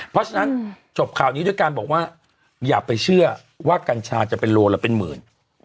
เพราะฉะนั้นจบข่าวนี้ด้วยการบอกว่าอย่าไปเชื่อว่ากัญชาจะเป็นโลละเป็นหมื่น